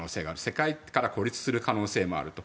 世界から孤立する可能性もあると。